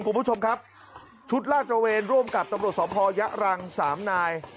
คุณผู้ชมครับชุดลาดตระเวนร่วมกับตำรวจสภยะรังสามนาย